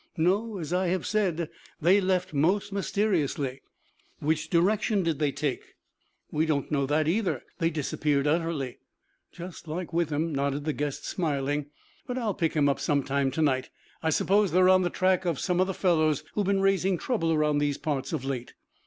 "No. As I have said, they left most mysteriously." "Which direction did they take?" "We do not know that either. They disappeared utterly." "Just like Withem," nodded the guest, smiling. "But I'll pick him up some time to night. I suppose they are on the track of some of the fellows who have been raising trouble around these parts of late."